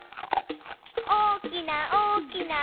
おおきなおおきな